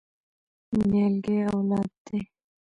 نیالګی اولاد دی؟